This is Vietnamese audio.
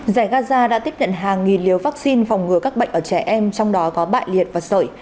giải gaza đã tiếp nhận hàng nghìn liều vaccine phòng ngừa các bệnh ở trẻ em trong đó có bại liệt và sởi